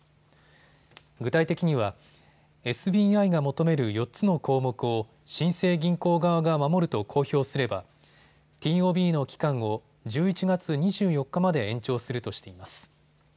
具体的にはＳＢＩが求める４つの項目を新生銀行側が守ると公表すればＴＯＢの期間を１１月２４日まで延長するとしています。